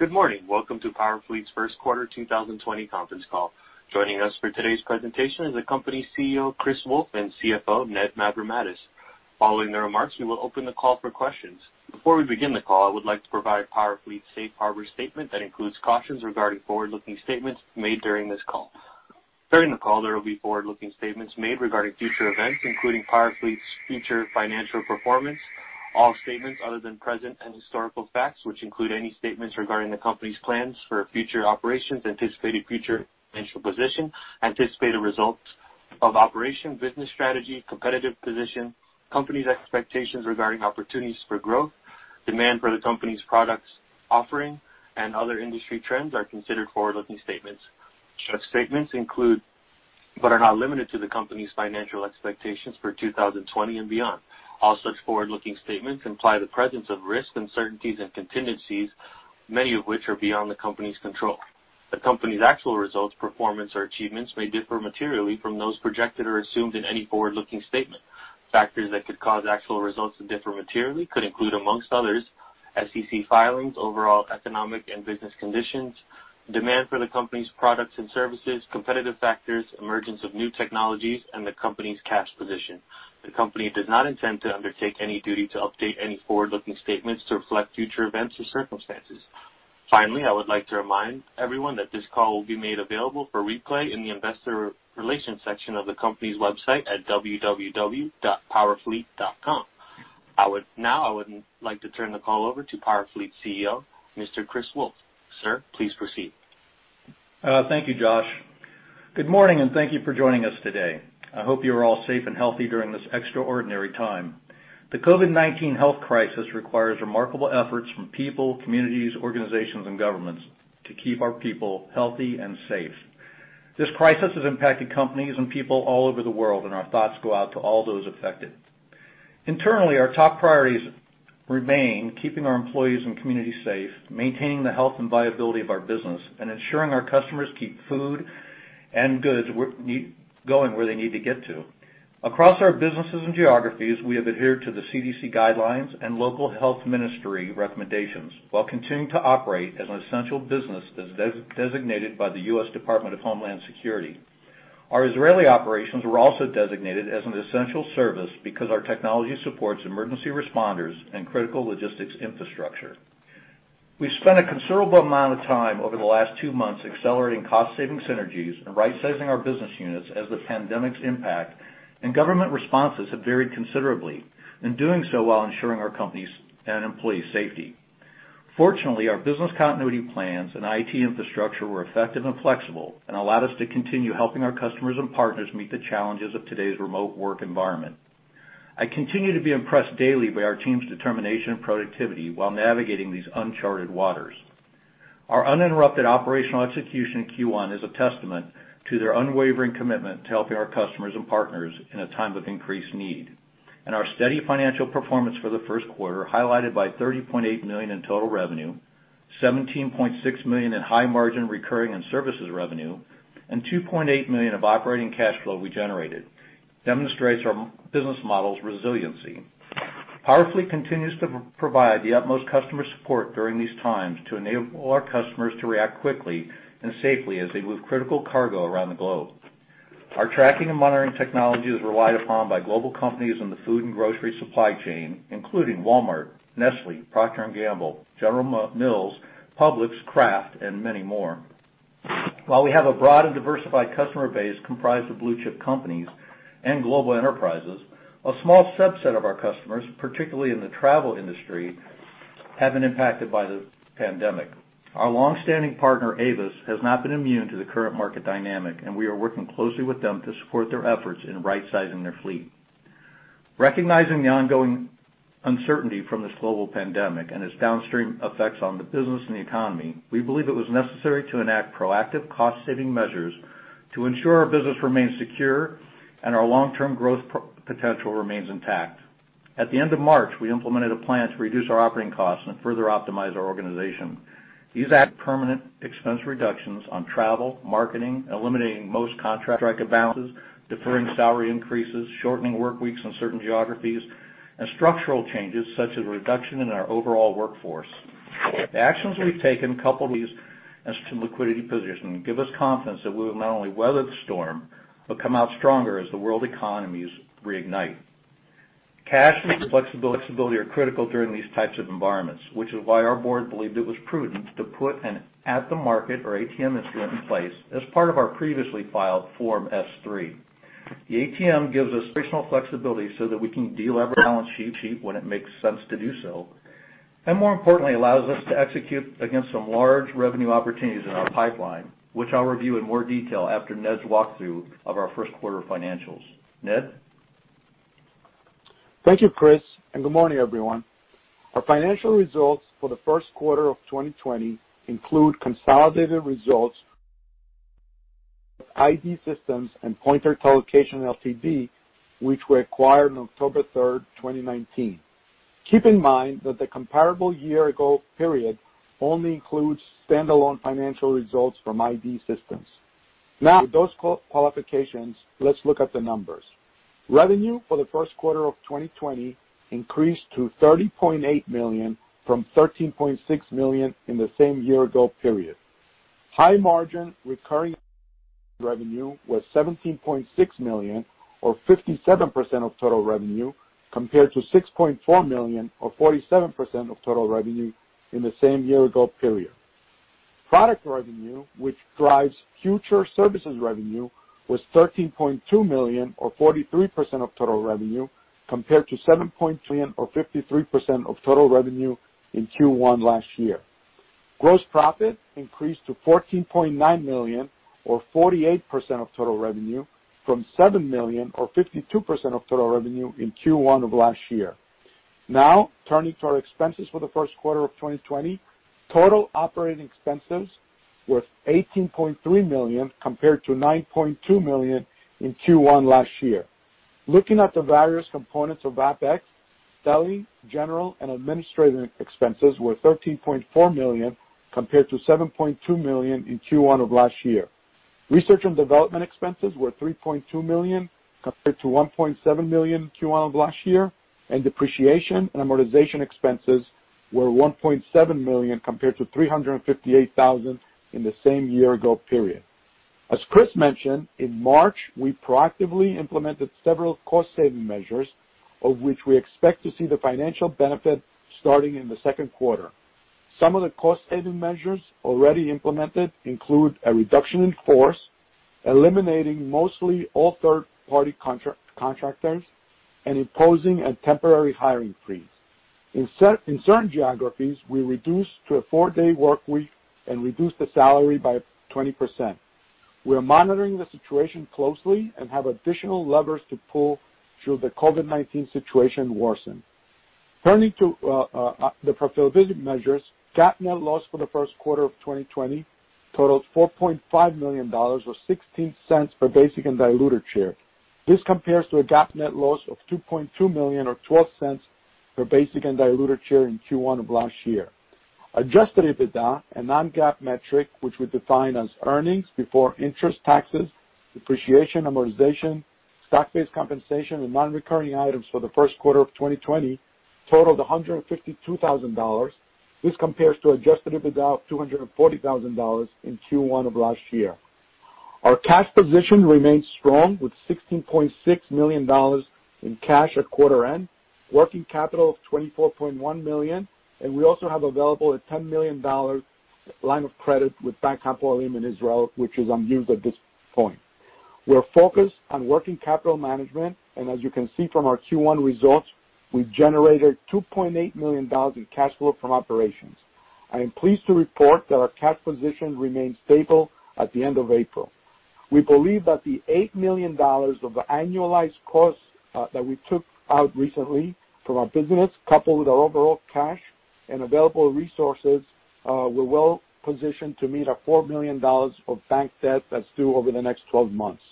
Good morning. Welcome to PowerFleet's first quarter 2020 conference call. Joining us for today's presentation is the company's CEO, Chris Wolfe, and CFO, Ned Mavrommatis. Following their remarks, we will open the call for questions. Before we begin the call, I would like to provide PowerFleet's safe harbor statement that includes cautions regarding forward-looking statements made during this call. During the call, there will be forward-looking statements made regarding future events, including PowerFleet's future financial performance. All statements other than present and historical facts, which include any statements regarding the company's plans for future operations, anticipated future financial position, anticipated results of operation, business strategy, competitive position, company's expectations regarding opportunities for growth, demand for the company's products offering, and other industry trends, are considered forward-looking statements. Such statements include, but are not limited to, the company's financial expectations for 2020 and beyond. All such forward-looking statements imply the presence of risks, uncertainties, and contingencies, many of which are beyond the company's control. The company's actual results, performance, or achievements may differ materially from those projected or assumed in any forward-looking statement. Factors that could cause actual results to differ materially could include, amongst others, SEC filings, overall economic and business conditions, demand for the company's products and services, competitive factors, emergence of new technologies, and the company's cash position. The company does not intend to undertake any duty to update any forward-looking statements to reflect future events or circumstances. Finally, I would like to remind everyone that this call will be made available for replay in the investor relations section of the company's website at www.powerfleet.com. Now, I would like to turn the call over to PowerFleet CEO, Mr. Chris Wolfe. Sir, please proceed. Thank you, Josh. Good morning, and thank you for joining us today. I hope you are all safe and healthy during this extraordinary time. The COVID-19 health crisis requires remarkable efforts from people, communities, organizations, and governments to keep our people healthy and safe. This crisis has impacted companies and people all over the world, and our thoughts go out to all those affected. Internally, our top priorities remain keeping our employees and community safe, maintaining the health and viability of our business, and ensuring our customers keep food and goods going where they need to get to. Across our businesses and geographies, we have adhered to the CDC guidelines and local health ministry recommendations while continuing to operate as an essential business as designated by the U.S. Department of Homeland Security. Our Israeli operations were also designated as an essential service because our technology supports emergency responders and critical logistics infrastructure. We've spent a considerable amount of time over the last two months accelerating cost-saving synergies and right-sizing our business units as the pandemic's impact and government responses have varied considerably. Doing so while ensuring our company's and employee safety. Fortunately, our business continuity plans and IT infrastructure were effective and flexible and allowed us to continue helping our customers and partners meet the challenges of today's remote work environment. I continue to be impressed daily by our team's determination and productivity while navigating these uncharted waters. Our uninterrupted operational execution in Q1 is a testament to their unwavering commitment to helping our customers and partners in a time of increased need. Our steady financial performance for the first quarter, highlighted by $30.8 million in total revenue, $17.6 million in high-margin recurring and services revenue, and $2.8 million of operating cash flow we generated, demonstrates our business model's resiliency. PowerFleet continues to provide the utmost customer support during these times to enable our customers to react quickly and safely as they move critical cargo around the globe. Our tracking and monitoring technology is relied upon by global companies in the food and grocery supply chain, including Walmart, Nestlé, Procter & Gamble, General Mills, Publix, Kraft, and many more. While we have a broad and diversified customer base comprised of blue-chip companies and global enterprises, a small subset of our customers, particularly in the travel industry, have been impacted by the pandemic. Our long-standing partner, Avis, has not been immune to the current market dynamic, and we are working closely with them to support their efforts in right-sizing their fleet. Recognizing the ongoing uncertainty from this global pandemic and its downstream effects on the business and the economy, we believe it was necessary to enact proactive cost-saving measures to ensure our business remains secure and our long-term growth potential remains intact. At the end of March, we implemented a plan to reduce our operating costs and further optimize our organization. These add permanent expense reductions on travel, marketing, eliminating most contract balances, deferring salary increases, shortening work weeks in certain geographies, and structural changes such as a reduction in our overall workforce. The actions we've taken [coupled these as to] liquidity position give us confidence that we will not only weather the storm, but come out stronger as the world economies reignite. Cash and flexibility are critical during these types of environments, which is why our board believed it was prudent to put an at-the-market, or ATM, instrument in place as part of our previously filed Form S-3. The ATM gives us operational flexibility so that we can de-lever our balance sheet when it makes sense to do so, and more importantly, allows us to execute against some large revenue opportunities in our pipeline, which I'll review in more detail after Ned's walkthrough of our first quarter financials. Ned? Thank you, Chris, and good morning, everyone. Our financial results for the first quarter of 2020 include consolidated results of I.D. Systems and Pointer Telocation Ltd., which were acquired on October 3rd, 2019. Keep in mind that the comparable year-ago period only includes standalone financial results from I.D. Systems. Now, with those qualifications, let's look at the numbers. Revenue for the first quarter of 2020 increased to $30.8 million from $13.6 million in the same year ago period. High-margin recurring revenue was $17.6 million or 57% of total revenue, compared to $6.4 million or 47% of total revenue in the same year ago period. Product revenue, which drives future services revenue, was $13.2 million or 43% of total revenue, compared to $7.3 or 53% of total revenue in Q1 last year. Gross profit increased to $14.9 million or 48% of total revenue from $7 million or 52% of total revenue in Q1 of last year. Now, turning to our expenses for the first quarter of 2020. Total operating expenses were $18.3 million compared to $9.2 million in Q1 last year. Looking at the various components of OpEx, selling, general, and administrative expenses were $13.4 million compared to $7.2 million in Q1 of last year. Research and development expenses were $3.2 million compared to $1.7 million Q1 of last year, and depreciation and amortization expenses were $1.7 million compared to $358,000 in the same year ago period. As Chris mentioned, in March, we proactively implemented several cost-saving measures of which we expect to see the financial benefit starting in the second quarter. Some of the cost-saving measures already implemented include a reduction in force, eliminating mostly all third-party contractors, and imposing a temporary hiring freeze. In certain geographies, we reduced to a four-day workweek and reduced the salary by 20%. We are monitoring the situation closely and have additional levers to pull should the COVID-19 situation worsen. Turning to the profitability measures, GAAP net loss for the first quarter of 2020 totaled $4.5 million or $0.16 per basic and diluted share. This compares to a GAAP net loss of $2.2 million or $0.12 per basic and diluted share in Q1 of last year. Adjusted EBITDA, a non-GAAP metric which we define as earnings before interest, taxes, depreciation, amortization, stock-based compensation, and non-recurring items for the first quarter of 2020 totaled $152,000. This compares to adjusted EBITDA of $240,000 in Q1 of last year. Our cash position remains strong with $16.6 million in cash at quarter end, working capital of $24.1 million, and we also have available a $10 million line of credit with Bank Hapoalim in Israel, which is unused at this point. We are focused on working capital management, and as you can see from our Q1 results, we generated $2.8 million in cash flow from operations. I am pleased to report that our cash position remains stable at the end of April. We believe that the $8 million of the annualized costs that we took out recently from our business, coupled with our overall cash and available resources, we're well-positioned to meet our $4 million of bank debt that's due over the next 12 months.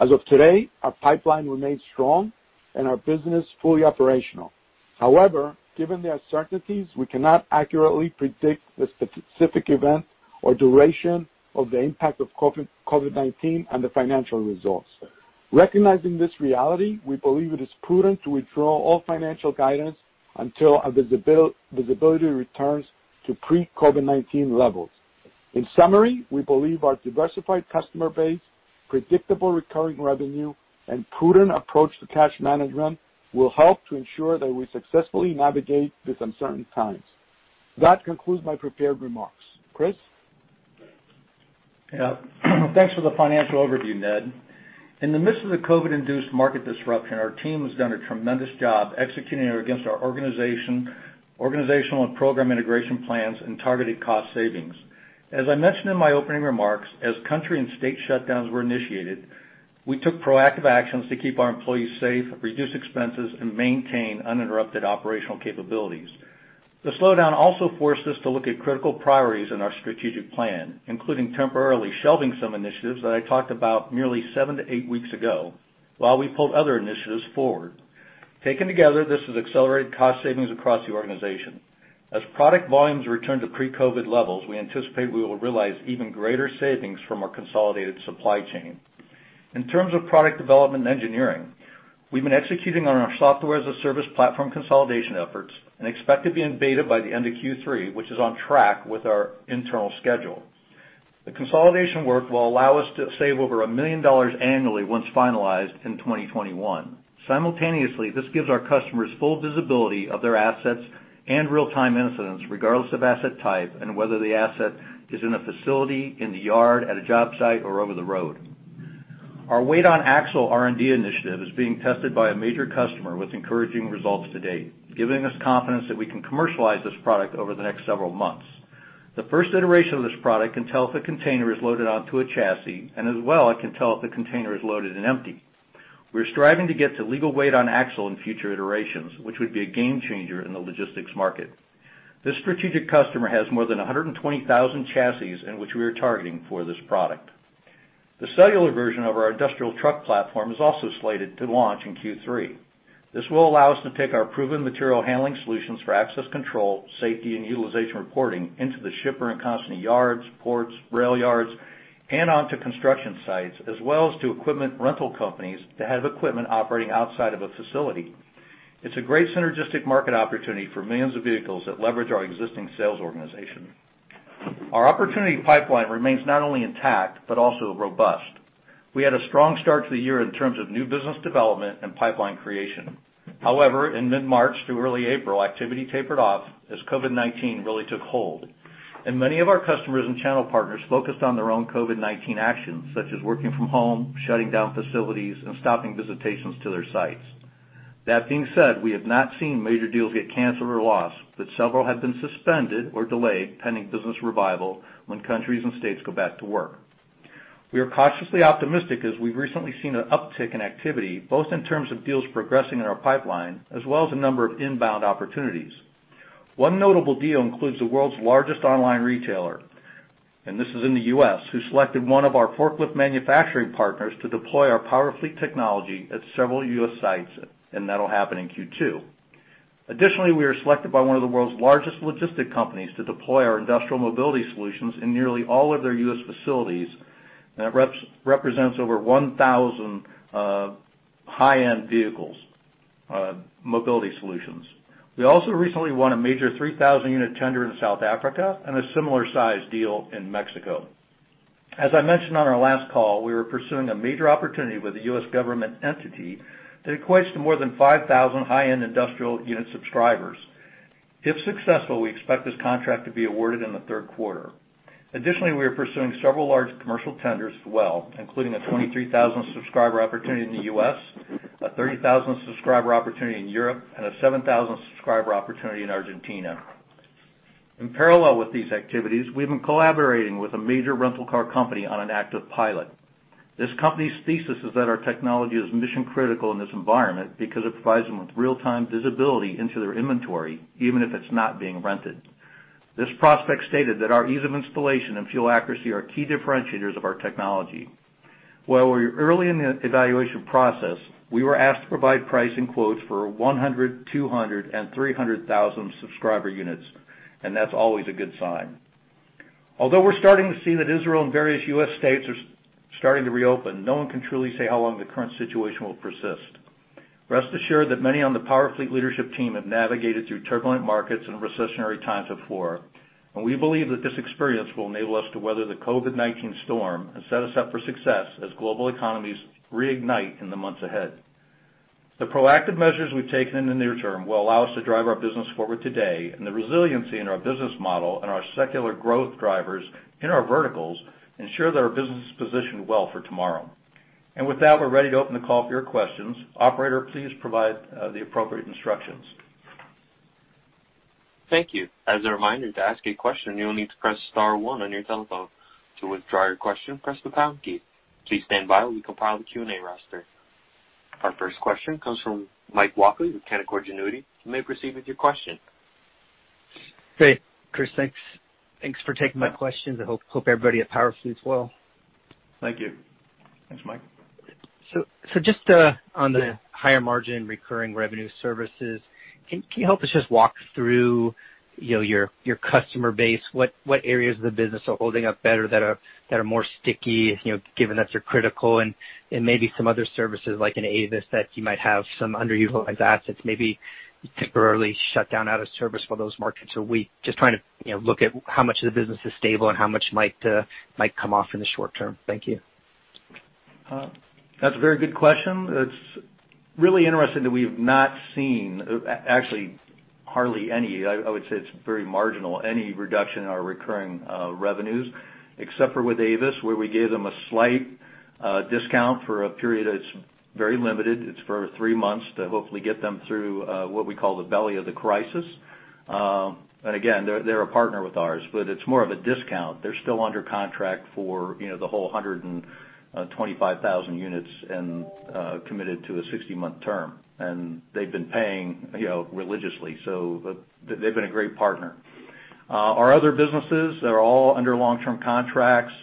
As of today, our pipeline remains strong and our business fully operational. However, given the uncertainties, we cannot accurately predict the specific event or duration of the impact of COVID-19 and the financial results. Recognizing this reality, we believe it is prudent to withdraw all financial guidance until visibility returns to pre-COVID-19 levels. In summary, we believe our diversified customer base, predictable recurring revenue, and prudent approach to cash management will help to ensure that we successfully navigate these uncertain times. That concludes my prepared remarks. Chris? Yeah. Thanks for the financial overview, Ned. In the midst of the COVID-induced market disruption, our team has done a tremendous job executing against our organizational and program integration plans and targeted cost savings. As I mentioned in my opening remarks, as country and state shutdowns were initiated, we took proactive actions to keep our employees safe, reduce expenses, and maintain uninterrupted operational capabilities. The slowdown also forced us to look at critical priorities in our strategic plan, including temporarily shelving some initiatives that I talked about nearly seven to eight weeks ago while we pulled other initiatives forward. Taken together, this has accelerated cost savings across the organization. As product volumes return to pre-COVID levels, we anticipate we will realize even greater savings from our consolidated supply chain. In terms of product development and engineering, we've been executing on our software-as-a-service platform consolidation efforts and expect to be in beta by the end of Q3, which is on track with our internal schedule. The consolidation work will allow us to save over $1 million annually once finalized in 2021. Simultaneously, this gives our customers full visibility of their assets and real-time incidents regardless of asset type and whether the asset is in a facility, in the yard, at a job site, or over the road. Our Weight-on-Axle R&D initiative is being tested by a major customer with encouraging results to date, giving us confidence that we can commercialize this product over the next several months. The first iteration of this product can tell if a container is loaded onto a chassis, and as well, it can tell if the container is loaded and empty. We're striving to get to legal Weight-on-Axle in future iterations, which would be a game changer in the logistics market. This strategic customer has more than 120,000 chassis in which we are targeting for this product. The cellular version of our industrial truck platform is also slated to launch in Q3. This will allow us to take our proven material handling solutions for access control, safety, and utilization reporting into the shipper and constantly yards, ports, rail yards, and onto construction sites, as well as to equipment rental companies that have equipment operating outside of a facility. It's a great synergistic market opportunity for millions of vehicles that leverage our existing sales organization. Our opportunity pipeline remains not only intact but also robust. We had a strong start to the year in terms of new business development and pipeline creation. However, in mid-March through early April, activity tapered off as COVID-19 really took hold and many of our customers and channel partners focused on their own COVID-19 actions, such as working from home, shutting down facilities, and stopping visitations to their sites. That being said, we have not seen major deals get canceled or lost, but several have been suspended or delayed pending business revival when countries and states go back to work. We are cautiously optimistic as we've recently seen an uptick in activity, both in terms of deals progressing in our pipeline, as well as a number of inbound opportunities. One notable deal includes the world's largest online retailer, and this is in the U.S., who selected one of our forklift manufacturing partners to deploy our PowerFleet technology at several U.S. sites, and that'll happen in Q2. Additionally, we were selected by one of the world's largest logistic companies to deploy our industrial mobility solutions in nearly all of their U.S. facilities. That represents over 1,000 high-end vehicles mobility solutions. We also recently won a major 3,000-unit tender in South Africa and a similar size deal in Mexico. As I mentioned on our last call, we were pursuing a major opportunity with a U.S. government entity that equates to more than 5,000 high-end industrial unit subscribers. If successful, we expect this contract to be awarded in the third quarter. Additionally, we are pursuing several large commercial tenders as well, including a 23,000 subscriber opportunity in the U.S., a 30,000 subscriber opportunity in Europe, and a 7,000 subscriber opportunity in Argentina. In parallel with these activities, we've been collaborating with a major rental car company on an active pilot. This company's thesis is that our technology is mission-critical in this environment because it provides them with real-time visibility into their inventory, even if it's not being rented. This prospect stated that our ease of installation and fuel accuracy are key differentiators of our technology. While we're early in the evaluation process, we were asked to provide pricing quotes for 100, 200, and 300,000 subscriber units, and that's always a good sign. Although we're starting to see that Israel and various U.S. states are starting to reopen, no one can truly say how long the current situation will persist. Rest assured that many on the PowerFleet leadership team have navigated through turbulent markets and recessionary times before, and we believe that this experience will enable us to weather the COVID-19 storm and set us up for success as global economies reignite in the months ahead. The proactive measures we've taken in the near term will allow us to drive our business forward today, and the resiliency in our business model and our secular growth drivers in our verticals ensure that our business is positioned well for tomorrow. With that, we're ready to open the call for your questions. Operator, please provide the appropriate instructions. Thank you. As a reminder, to ask a question, you will need to press *1 on your telephone. To withdraw your question, press the # key. Please stand by while we compile the Q&A roster. Our first question comes from Mike Walkley with Canaccord Genuity. You may proceed with your question. Hey, Chris. Thanks for taking my questions, and hope everybody at PowerFleet is well. Thank you. Thanks, Mike. Just on the higher margin recurring revenue services, can you help us just walk through your customer base? What areas of the business are holding up better that are more sticky, given that they're critical, and maybe some other services like in Avis that you might have some underutilized assets maybe temporarily shut down out of service for those markets are weak? Just trying to look at how much of the business is stable and how much might come off in the short term. Thank you. That's a very good question. It's really interesting that we've not seen, actually, hardly any, I would say it's very marginal, any reduction in our recurring revenues, except for with Avis, where we gave them a slight discount for a period that's very limited. It's for three months to hopefully get them through what we call the belly of the crisis. Again, they're a partner with ours, but it's more of a discount. They're still under contract for the whole 125,000 units and committed to a 60-month term. They've been paying religiously, so they've been a great partner. Our other businesses are all under long-term contracts.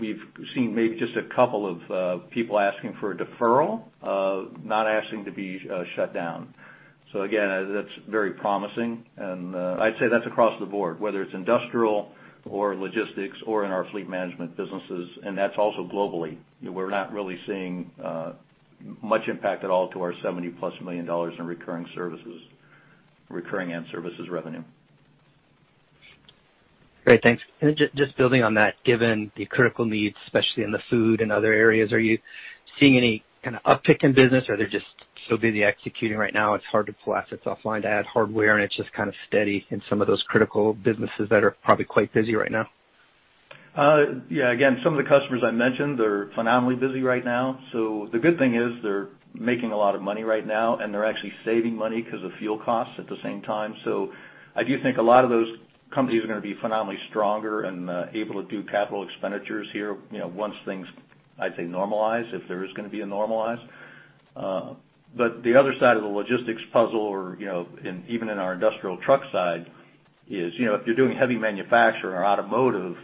We've seen maybe just a couple of people asking for a deferral, not asking to be shut down. Again, that's very promising, and I'd say that's across the board, whether it's industrial or logistics or in our fleet management businesses, and that's also globally. We're not really seeing much impact at all to our $70-plus million in recurring and services revenue. Great. Thanks. Just building on that, given the critical needs, especially in the food and other areas, are you seeing any kind of uptick in business, or are they just so busy executing right now, it's hard to pull assets offline to add hardware, and it's just kind of steady in some of those critical businesses that are probably quite busy right now? Yeah, again, some of the customers I mentioned, they're phenomenally busy right now. The good thing is they're making a lot of money right now, and they're actually saving money because of fuel costs at the same time. I do think a lot of those companies are going to be phenomenally stronger and able to do capital expenditures here once things, I'd say, normalize, if there is going to be a normalize. The other side of the logistics puzzle, or even in our industrial truck side, is if you're doing heavy manufacturing or automotive,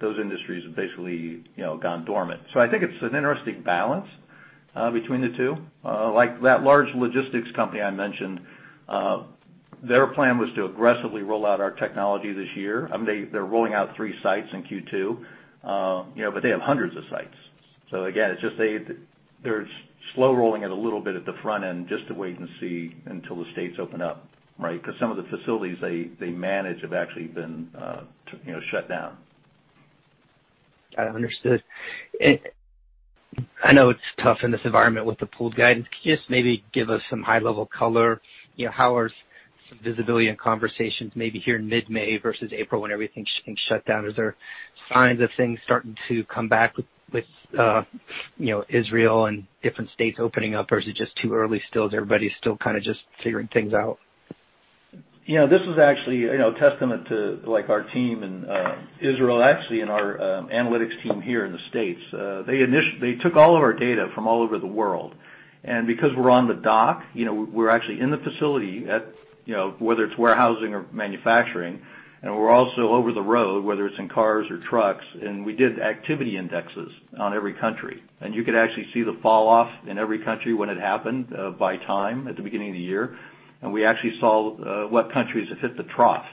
those industries have basically gone dormant. I think it's an interesting balance between the two. Like that large logistics company I mentioned, their plan was to aggressively roll out our technology this year. They're rolling out three sites in Q2, but they have hundreds of sites. Again, they're slow-rolling it a little bit at the front end just to wait and see until the states open up, right? Because some of the facilities they manage have actually been shut down. Understood. I know it's tough in this environment with the pooled guidance. Could you just maybe give us some high-level color, how are some visibility and conversations maybe here in mid-May versus April when everything shut down? Is there signs of things starting to come back with Israel and different states opening up? Is it just too early still? Is everybody still kind of just figuring things out? This is actually a testament to our team in Israel, actually, and our analytics team here in the States. They took all of our data from all over the world, because we're on the dock, we're actually in the facility, whether it's warehousing or manufacturing, and we're also over the road, whether it's in cars or trucks, and we did activity indexes on every country. You could actually see the falloff in every country when it happened, by time, at the beginning of the year. We actually saw what countries have hit the trough,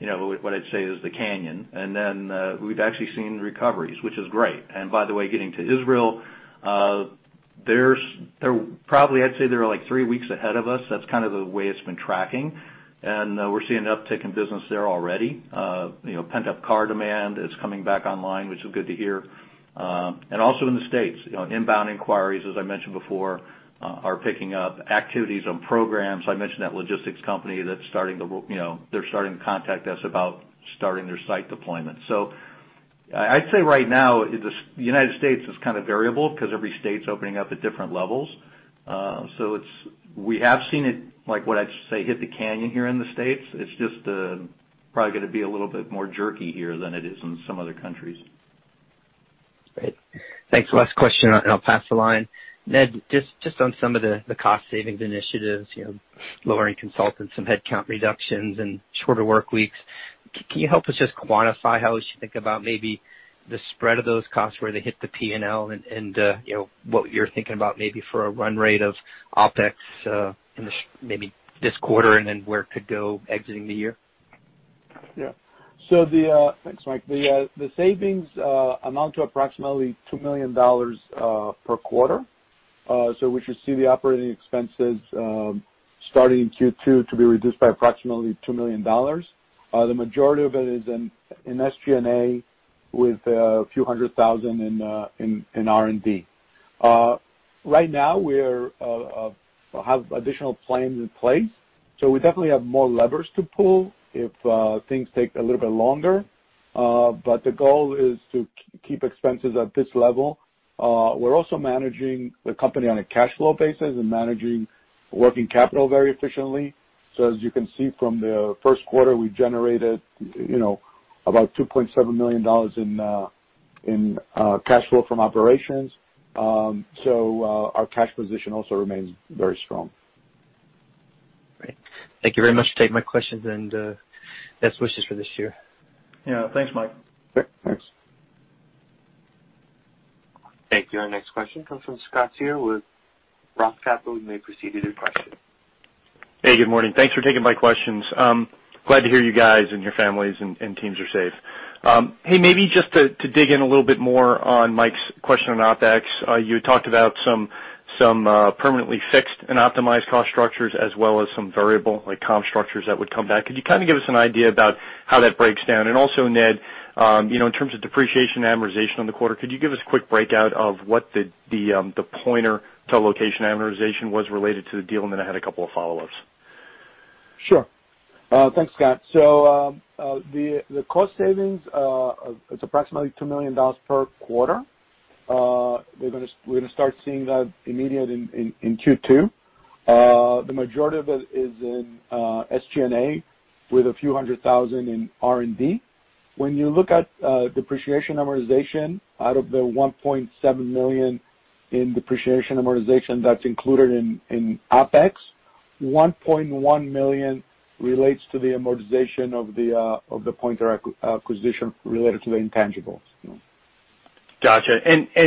what I'd say is the canyon, we've actually seen recoveries, which is great. By the way, getting to Israel, they're probably, I'd say, three weeks ahead of us. That's kind of the way it's been tracking. We're seeing an uptick in business there already. Pent-up car demand is coming back online, which is good to hear. Also in the States, inbound inquiries, as I mentioned before, are picking up. Activities on programs, I mentioned that logistics company that is starting to contact us about starting their site deployment. I'd say right now, the United States is kind of variable because every state's opening up at different levels. We have seen it, like what I'd say, hit the canyon here in the States. It's just probably going to be a little bit more jerky here than it is in some other countries. Great. Thanks. Last question, and I'll pass the line. Ned, just on some of the cost savings initiatives, lowering consultants, some headcount reductions, and shorter work weeks, can you help us just quantify how we should think about maybe the spread of those costs, where they hit the P&L, and what you're thinking about maybe for a run rate of OpEx in maybe this quarter, and then where it could go exiting the year? Yeah. Thanks, Mike. The savings amount to approximately $2 million per quarter. We should see the operating expenses starting in Q2 to be reduced by approximately $2 million. The majority of it is in SG&A with a few hundred thousand in R&D. Right now, we have additional plans in place, so we definitely have more levers to pull if things take a little bit longer. The goal is to keep expenses at this level. We're also managing the company on a cash flow basis and managing working capital very efficiently. As you can see from the first quarter, we generated about $2.7 million in cash flow from operations. Our cash position also remains very strong. Great. Thank you very much for taking my questions and best wishes for this year. Yeah. Thanks, Mike. Thanks. Thank you. Our next question comes from Scott Searle with ROTH Capital. You may proceed with your question. Hey, good morning. Thanks for taking my questions. Glad to hear you guys and your families and teams are safe. Hey, maybe just to dig in a little bit more on Mike's question on OpEx. You had talked about some permanently fixed and optimized cost structures as well as some variable, like comp structures that would come back. Could you kind of give us an idea about how that breaks down? And also, Ned, in terms of depreciation amortization on the quarter, could you give us a quick breakout of what the Pointer Telocation amortization was related to the deal? And then I had a couple of follow-ups. Sure. Thanks, Scott. The cost savings, it's approximately $2 million per quarter. We're going to start seeing that immediately in Q2. The majority of it is in SG&A with a few hundred thousand in R&D. When you look at depreciation amortization, out of the $1.7 million in depreciation amortization that's included in OpEx, $1.1 million relates to the amortization of the Pointer acquisition related to the intangibles. Got you.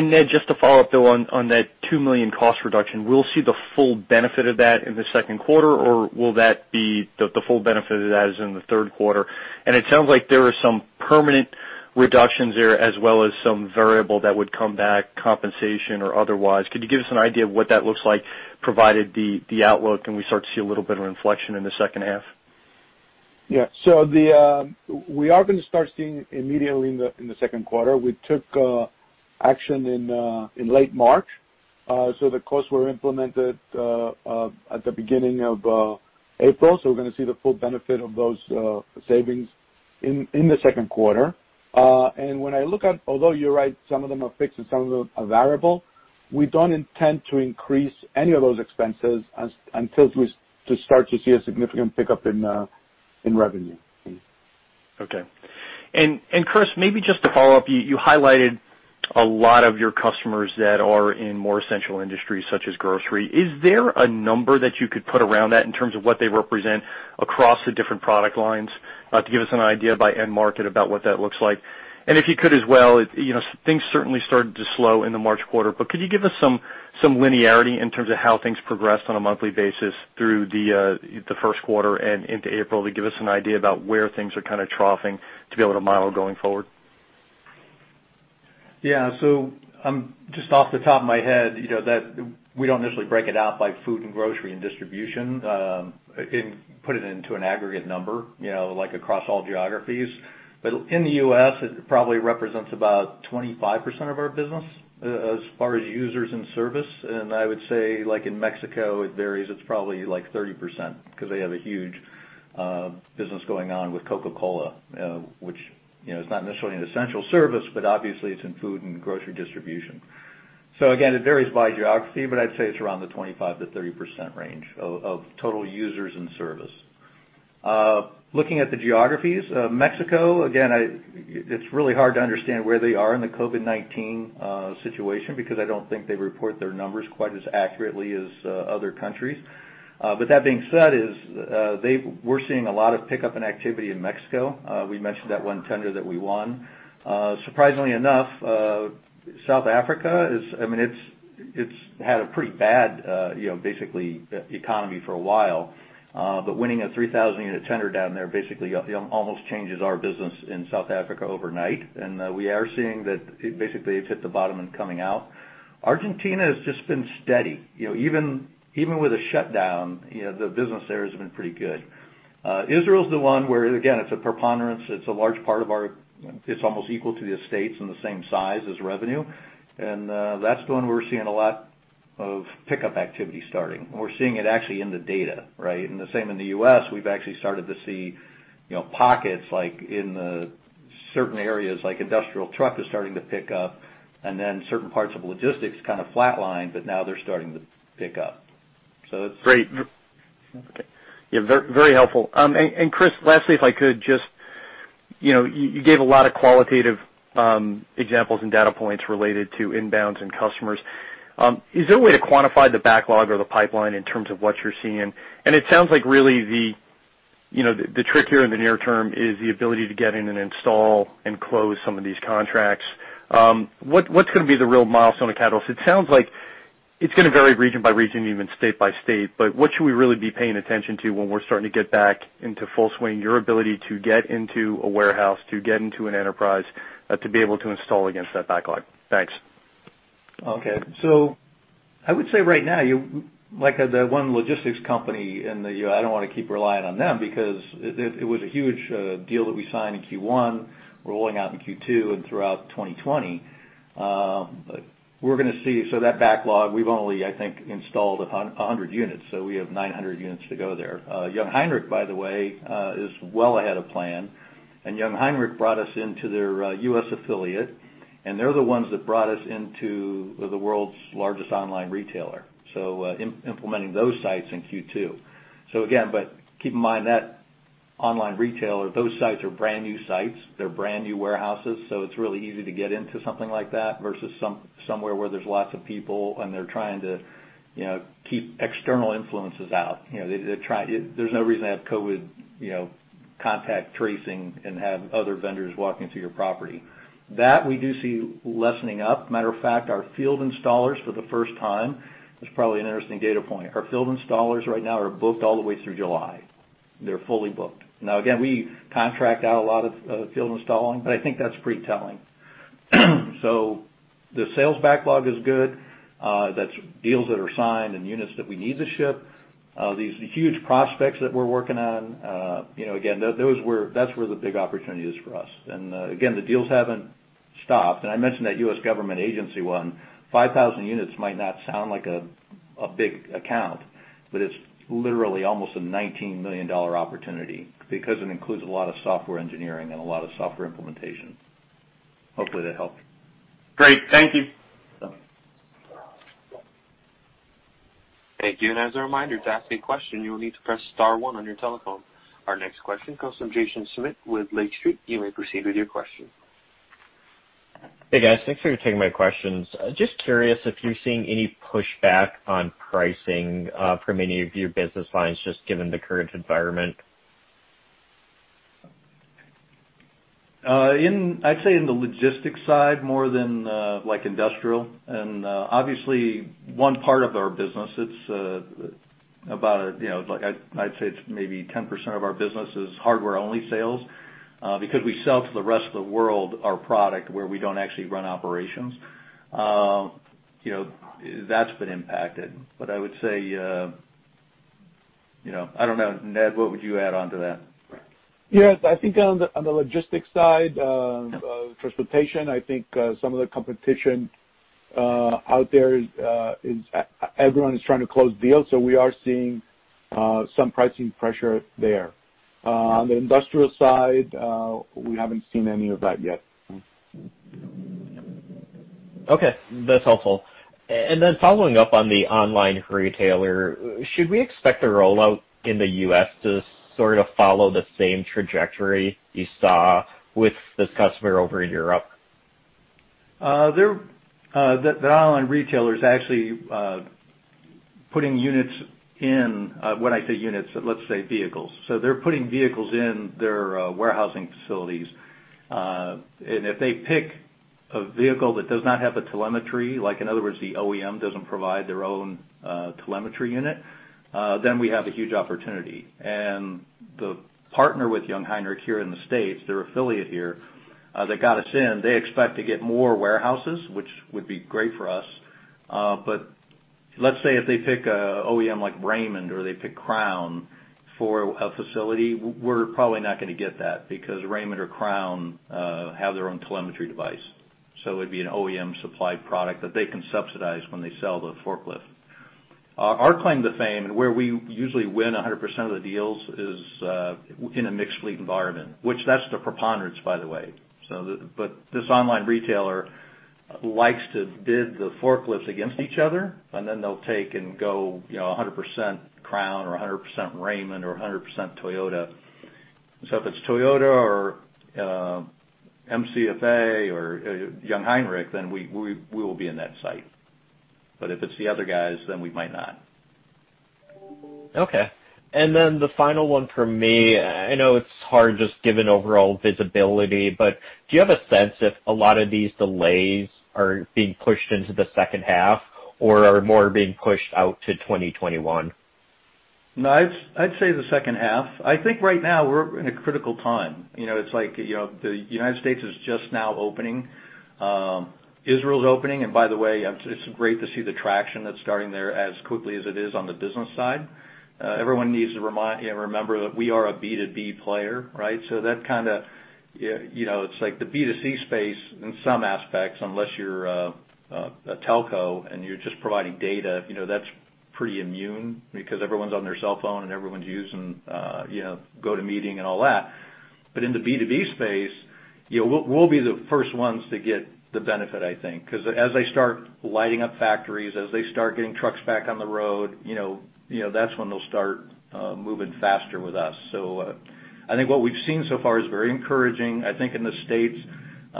Ned, just to follow up, though, on that $2 million cost reduction, we'll see the full benefit of that in the second quarter, or will the full benefit of that is in the third quarter? It sounds like there are some permanent reductions there, as well as some variable that would come back, compensation or otherwise. Could you give us an idea of what that looks like provided the outlook, and we start to see a little bit of inflection in the second half? Yeah. We are going to start seeing immediately in the second quarter. We took action in late March. The costs were implemented at the beginning of April. We're going to see the full benefit of those savings in the second quarter. When I look at, although you're right, some of them are fixed and some of them are variable, we don't intend to increase any of those expenses until we start to see a significant pickup in revenue. Okay. Chris, maybe just to follow up, you highlighted a lot of your customers that are in more essential industries, such as grocery. Is there a number that you could put around that in terms of what they represent across the different product lines, to give us an idea by end market about what that looks like? If you could as well, things certainly started to slow in the March quarter, but could you give us some linearity in terms of how things progressed on a monthly basis through the first quarter and into April, to give us an idea about where things are troughing, to be able to model going forward? Yeah. Just off the top of my head, we don't necessarily break it out by food and grocery and distribution, and put it into an aggregate number, like across all geographies. In the U.S., it probably represents about 25% of our business, as far as users and service. I would say, like in Mexico, it varies. It's probably like 30%, because they have a huge business going on with Coca-Cola, which is not necessarily an essential service, but obviously it's in food and grocery distribution. Again, it varies by geography, but I'd say it's around the 25%-30% range of total users and service. Looking at the geographies, Mexico, again, it's really hard to understand where they are in the COVID-19 situation, because I don't think they report their numbers quite as accurately as other countries. That being said, we're seeing a lot of pickup in activity in Mexico. We mentioned that one tender that we won. Surprisingly enough, South Africa, it's had a pretty bad, basically, economy for a while. Winning a 3,000-unit tender down there basically almost changes our business in South Africa overnight. We are seeing that basically they've hit the bottom and coming out. Argentina has just been steady. Even with the shutdown, the business there has been pretty good. Israel's the one where, again, it's a preponderance. It's almost equal to the U.S. and the same size as revenue. That's the one we're seeing a lot of pickup activity starting. We're seeing it actually in the data, right? The same in the U.S., we've actually started to see pockets, like in the certain areas, like industrial truck is starting to pick up. Certain parts of logistics kind of flatlined, but now they're starting to pick up. Great. Yeah, very helpful. Chris, lastly, if I could just, you gave a lot of qualitative examples and data points related to inbounds and customers. Is there a way to quantify the backlog or the pipeline in terms of what you're seeing? It sounds like really the trick here in the near term is the ability to get in and install and close some of these contracts. What's going to be the real milestone or catalyst? It sounds like it's going to vary region by region, even state by state, but what should we really be paying attention to when we're starting to get back into full swing, your ability to get into a warehouse, to get into an enterprise, to be able to install against that backlog? Thanks. Okay. I would say right now, like the one logistics company in the U.S., I don't want to keep relying on them because it was a huge deal that we signed in Q1, rolling out in Q2 and throughout 2020. We're going to see. That backlog, we've only, I think, installed 100 units, so we have 900 units to go there. Jungheinrich, by the way, is well ahead of plan. Jungheinrich brought us into their U.S. affiliate, and they're the ones that brought us into the world's largest online retailer. Implementing those sites in Q2. Again, keep in mind that online retailer, those sites are brand-new sites. They're brand-new warehouses. It's really easy to get into something like that versus somewhere where there's lots of people and they're trying to keep external influences out. There's no reason to have COVID contact tracing and have other vendors walking through your property. We do see lessening up. Matter of fact, our field installers for the first time, it's probably an interesting data point. Our field installers right now are booked all the way through July. They're fully booked. Again, we contract out a lot of field installing, but I think that's pretty telling. The sales backlog is good. That's deals that are signed and units that we need to ship. These huge prospects that we're working on, again, that's where the big opportunity is for us. Again, the deals haven't stopped. I mentioned that U.S. government agency one, 5,000 units might not sound like a big account, but it's literally almost a $19 million opportunity because it includes a lot of software engineering and a lot of software implementation. Hopefully that helped. Great. Thank you. Yeah. Thank you. As a reminder, to ask a question, you will need to press *1 on your telephone. Our next question comes from Jason Smith with Lake Street. You may proceed with your question. Hey, guys. Thanks for taking my questions. Just curious if you're seeing any pushback on pricing from any of your business lines, just given the current environment. I'd say in the logistics side more than like industrial. Obviously one part of our business, I'd say it's maybe 10% of our business is hardware-only sales. Because we sell to the rest of the world our product where we don't actually run operations. That's been impacted. I would say, I don't know, Ned, what would you add onto that? Yes. I think on the logistics side, transportation, I think some of the competition out there is everyone is trying to close deals, so we are seeing some pricing pressure there. On the industrial side, we haven't seen any of that yet. Okay, that's helpful. Following up on the online retailer, should we expect the rollout in the U.S. to sort of follow the same trajectory you saw with this customer over in Europe? The online retailer's actually putting units in, when I say units, let's say vehicles. They're putting vehicles in their warehousing facilities. If they pick a vehicle that does not have a telemetry, like, in other words, the OEM doesn't provide their own telemetry unit, then we have a huge opportunity. The partner with Jungheinrich here in the States, their affiliate here, that got us in, they expect to get more warehouses, which would be great for us. Let's say if they pick an OEM like Raymond, or they pick Crown for a facility, we're probably not going to get that, because Raymond or Crown have their own telemetry device. It'd be an OEM supplied product that they can subsidize when they sell the forklift. Our claim to fame and where we usually win 100% of the deals is in a mixed fleet environment, which that's the preponderance, by the way. This online retailer likes to bid the forklifts against each other, and then they'll take and go 100% Crown or 100% Raymond or 100% Toyota. If it's Toyota or MCFA or Jungheinrich, then we will be in that site. If it's the other guys, then we might not. Okay. The final one from me, I know it's hard just given overall visibility, but do you have a sense if a lot of these delays are being pushed into the second half or are more being pushed out to 2021? I'd say the second half. I think right now we're in a critical time. It's like, the United States is just now opening. Israel's opening, and by the way, it's great to see the traction that's starting there as quickly as it is on the business side. Everyone needs to remember that we are a B2B player, right? It's like the B2C space in some aspects, unless you're a telco and you're just providing data, that's pretty immune because everyone's on their cell phone and everyone's using GoTo Meeting and all that. In the B2B space, we'll be the first ones to get the benefit, I think, because as they start lighting up factories, as they start getting trucks back on the road, that's when they'll start moving faster with us. I think what we've seen so far is very encouraging. I think in the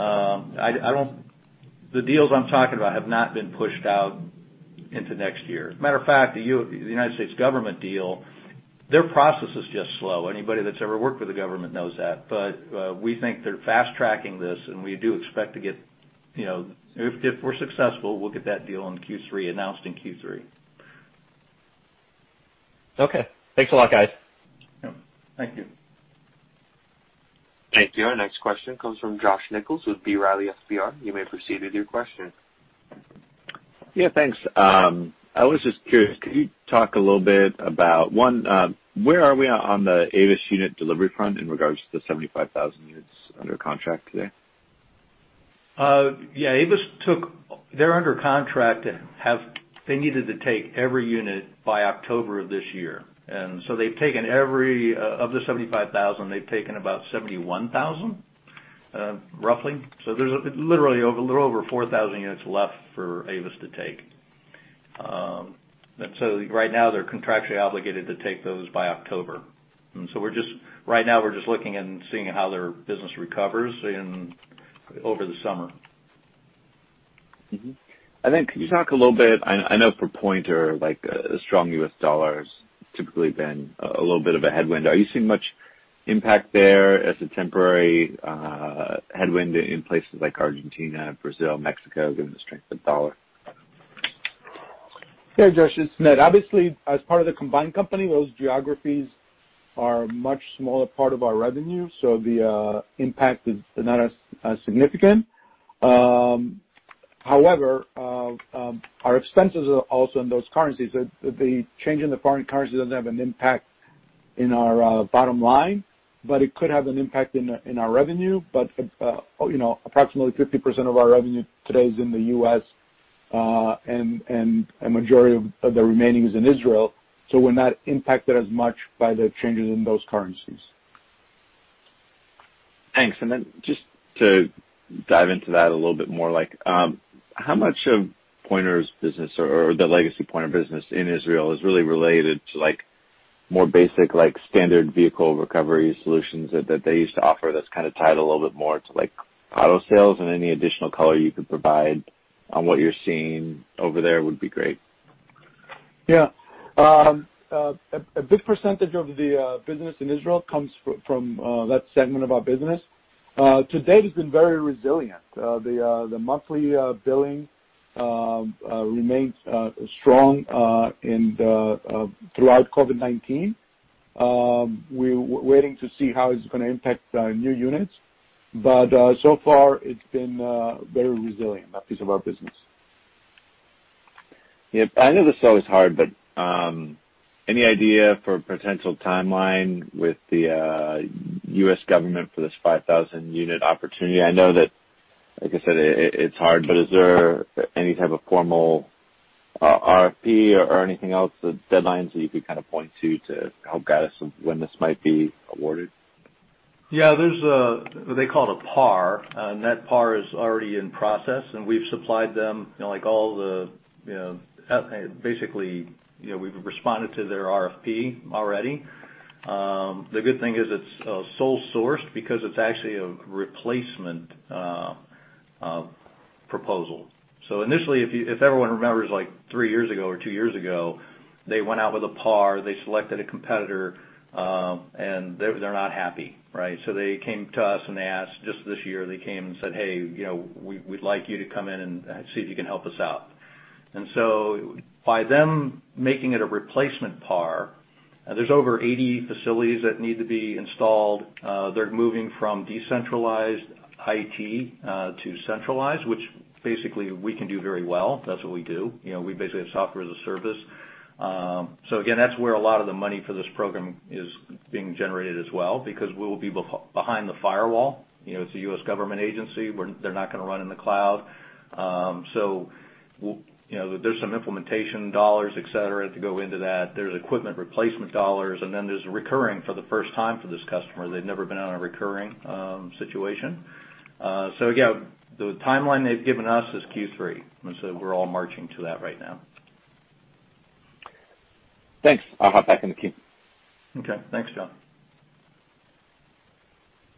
U.S., the deals I'm talking about have not been pushed out into next year. Matter of fact, the United States government deal, their process is just slow. Anybody that's ever worked with the government knows that. We think they're fast-tracking this, and if we're successful, we'll get that deal in Q3, announced in Q3. Okay. Thanks a lot, guys. Yeah. Thank you. Thank you. Our next question comes from Josh Nichols with B. Riley FBR. You may proceed with your question. Yeah. Thanks. I was just curious, could you talk a little bit about, one, where are we on the Avis unit delivery front in regards to the 75,000 units under contract today? Yeah. Avis, they're under contract and they needed to take every unit by October of this year. Of the 75,000, they've taken about 71,000, roughly. There's literally a little over 4,000 units left for Avis to take. Right now they're contractually obligated to take those by October. Right now we're just looking and seeing how their business recovers over the summer. Could you talk a little bit, I know for Pointer, like a strong U.S. dollar has typically been a little bit of a headwind. Are you seeing much impact there as a temporary headwind in places like Argentina, Brazil, Mexico, given the strength of the dollar? Yeah, Josh, it's Ned. Obviously, as part of the combined company, those geographies are a much smaller part of our revenue, so the impact is not as significant. However, our expenses are also in those currencies. The change in the foreign currency doesn't have an impact in our bottom line, but it could have an impact in our revenue. Approximately 50% of our revenue today is in the U.S., and a majority of the remaining is in Israel. We're not impacted as much by the changes in those currencies. Thanks. Just to dive into that a little bit more, how much of Pointer's business or the legacy Pointer business in Israel is really related to more basic, standard vehicle recovery solutions that they used to offer that's kind of tied a little bit more to auto sales and any additional color you could provide on what you're seeing over there would be great. Yeah. A good percentage of the business in Israel comes from that segment of our business. To date, it's been very resilient. The monthly billing remains strong throughout COVID-19. We're waiting to see how it's going to impact new units. So far it's been very resilient, that piece of our business. Yeah. I know this is always hard, but any idea for potential timeline with the U.S. government for this 5,000 unit opportunity? I know that, like I said, it's hard, but is there any type of formal RFP or anything else, deadlines that you could kind of point to help guide us of when this might be awarded? Yeah. There's they call it a PAR. That PAR is already in process, we've responded to their RFP already. The good thing is it's sole sourced because it's actually a replacement proposal. Initially, if everyone remembers, like three years ago or two years ago, they went out with a PAR, they selected a competitor, and they're not happy, right? They came to us and they asked, just this year, they came and said, "Hey, we'd like you to come in and see if you can help us out." By them making it a replacement PAR, there's over 80 facilities that need to be installed. They're moving from decentralized IT to centralized, which basically we can do very well. That's what we do. We basically have software-as-a-service. Again, that's where a lot of the money for this program is being generated as well because we will be behind the firewall. It's a U.S. government agency. They're not going to run in the cloud. There's some implementation dollars, et cetera, to go into that. There's equipment replacement dollars, and then there's recurring for the first time for this customer. They've never been on a recurring situation. Again, the timeline they've given us is Q3, we're all marching to that right now. Thanks. I'll hop back in the queue. Okay. Thanks, Josh.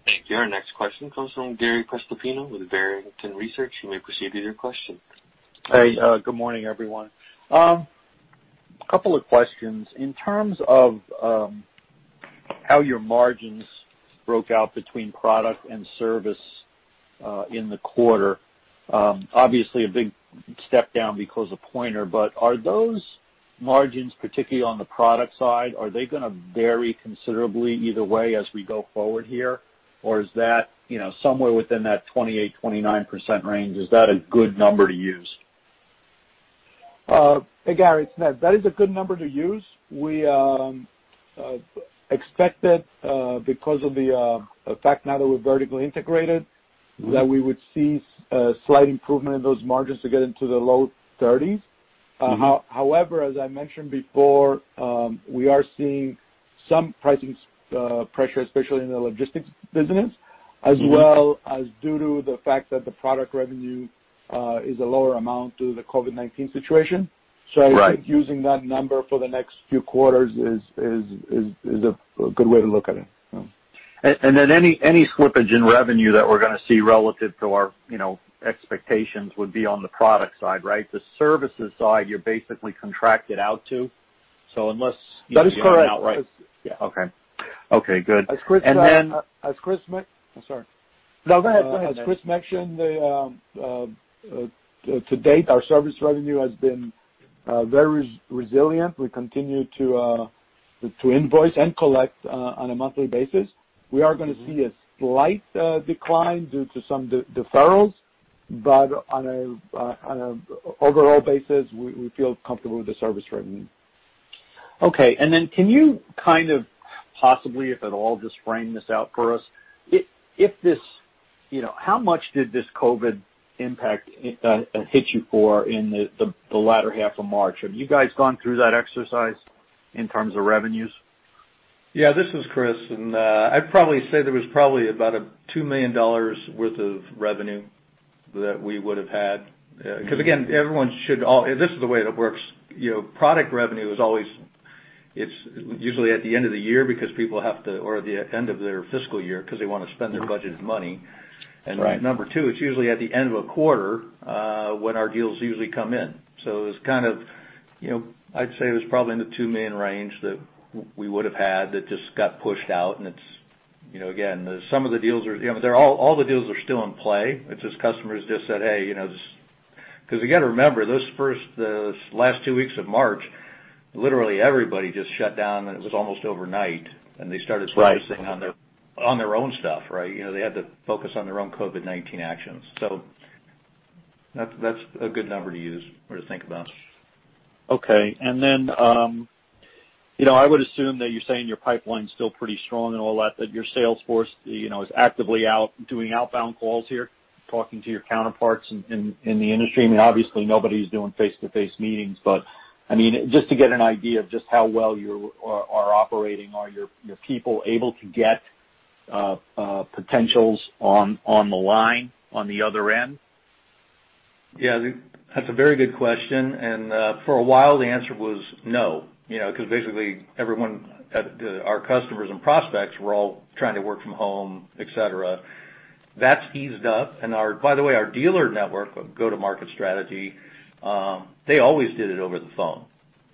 Thank you. Our next question comes from Gary Prestopino with Barrington Research. You may proceed with your question. Hey, good morning, everyone. Couple of questions. In terms of how your margins broke out between product and service in the quarter. Obviously, a big step down because of Pointer, but are those margins, particularly on the product side, are they gonna vary considerably either way as we go forward here? Or is that somewhere within that 28%-29% range, is that a good number to use? Hey, Gary, it's Ned. That is a good number to use. We expect that because of the fact now that we're vertically integrated, that we would see a slight improvement in those margins to get into the low 30s. However, as I mentioned before, we are seeing some pricing pressure, especially in the logistics business. as well as due to the fact that the product revenue is a lower amount due to the COVID-19 situation. Right. I think using that number for the next few quarters is a good way to look at it. Yeah. Any slippage in revenue that we're going to see relative to our expectations would be on the product side, right? The services side, you're basically contracted out to. That is correct. outright. Yeah. Okay. Okay, good. As Chris- And then- I'm sorry. No, go ahead. As Chris mentioned, to date, our service revenue has been very resilient. We continue to invoice and collect on a monthly basis. We are gonna see a slight decline due to some deferrals. On an overall basis, we feel comfortable with the service revenue. Okay. Can you kind of possibly, if at all, just frame this out for us? How much did this COVID impact hit you for in the latter half of March? Have you guys gone through that exercise in terms of revenues? Yeah, this is Chris. I'd probably say there was probably about a $2 million worth of revenue that we would have had. Again, this is the way it works. Product revenue is always, it's usually at the end of the year because people have to, or the end of their fiscal year because they want to spend their budgeted money. Right. Number 2, it's usually at the end of a quarter, when our deals usually come in. It was kind of, I'd say it was probably in the $2 million range that we would have had that just got pushed out, and it's, again, some of the deals are All the deals are still in play. It's just customers just said, "Hey," because you got to remember, those last two weeks of March, literally everybody just shut down, and it was almost overnight. They started- Right focusing on their own stuff, right? They had to focus on their own COVID-19 actions. That's a good number to use or to think about. Okay. I would assume that you're saying your pipeline's still pretty strong and all that your sales force is actively out doing outbound calls here, talking to your counterparts in the industry. I mean, obviously, nobody's doing face-to-face meetings, but, I mean, just to get an idea of just how well you are operating. Are your people able to get potentials on the line on the other end? Yeah. That's a very good question. For a while, the answer was no. Basically everyone, our customers and prospects, were all trying to work from home, et cetera. That's eased up. By the way, our dealer network, go-to-market strategy, they always did it over the phone.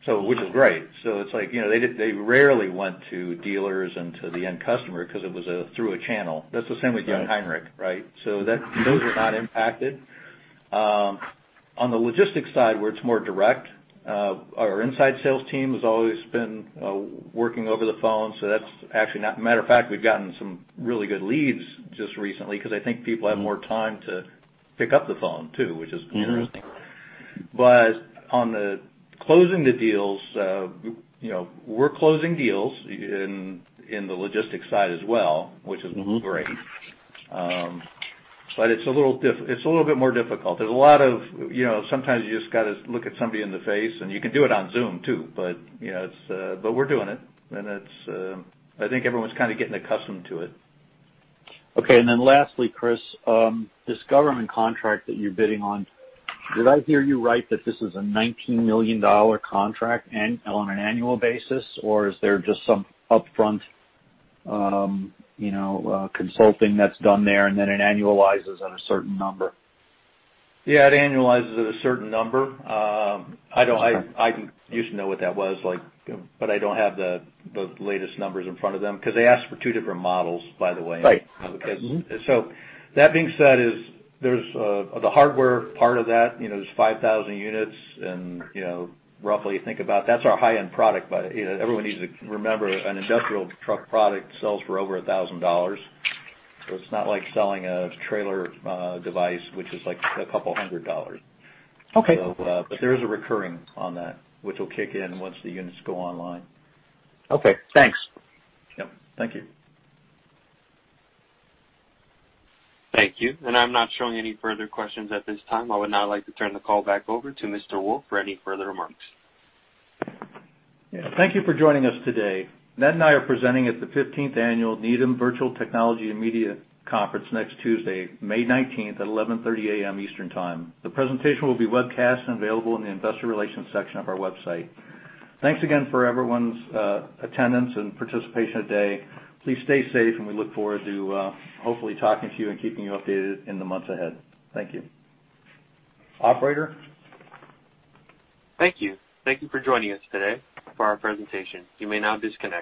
Okay. Which is great. It's like they rarely went to dealers and to the end customer because it was through a channel. That's the same with Jungheinrich, right? Those were not impacted. On the logistics side, where it's more direct, our inside sales team has always been working over the phone. Matter of fact, we've gotten some really good leads just recently because I think people have more time to pick up the phone, too, which is interesting. On the closing the deals, we're closing deals in the logistics side as well, which is great. It's a little bit more difficult. Sometimes you just got to look at somebody in the face, and you can do it on Zoom too, but we're doing it, and I think everyone's kind of getting accustomed to it. Okay, lastly, Chris, this government contract that you're bidding on, did I hear you right that this is a $19 million contract on an annual basis, or is there just some upfront consulting that's done there and then it annualizes at a certain number? Yeah, it annualizes at a certain number. Okay. I used to know what that was, but I don't have the latest numbers in front of them because they asked for two different models, by the way. Right. Mm-hmm. That being said, the hardware part of that, there's 5,000 units and roughly think about, that's our high-end product. Everyone needs to remember, an industrial truck product sells for over $1,000. It's not like selling a trailer device, which is like a couple hundred dollars. Okay. There is a recurring on that, which will kick in once the units go online. Okay, thanks. Yep. Thank you. Thank you. I'm not showing any further questions at this time. I would now like to turn the call back over to Mr. Wolfe for any further remarks. Yeah. Thank you for joining us today. Ned and I are presenting at the 15th Annual Needham Virtual Technology & Media Conference next Tuesday, May 19th at 11:30 A.M. Eastern Time. The presentation will be webcast and available in the investor relations section of our website. Thanks again for everyone's attendance and participation today. Please stay safe, and we look forward to hopefully talking to you and keeping you updated in the months ahead. Thank you. Operator? Thank you. Thank you for joining us today for our presentation. You may now disconnect.